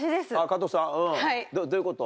加藤さんどういうこと？